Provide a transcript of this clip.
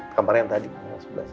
kamar yang tadi yang sebelah